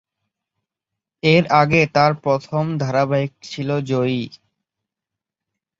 এর আগে তার প্রথম ধারাবাহিকটি ছিল জয়ী।